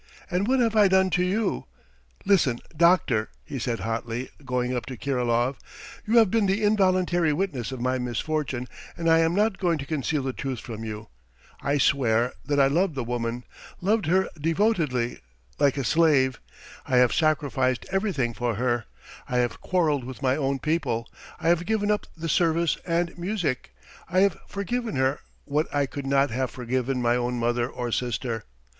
And what have I done to you? Listen, doctor," he said hotly, going up to Kirilov. "You have been the involuntary witness of my misfortune and I am not going to conceal the truth from you. I swear that I loved the woman, loved her devotedly, like a slave! I have sacrificed everything for her; I have quarrelled with my own people, I have given up the service and music, I have forgiven her what I could not have forgiven my own mother or sister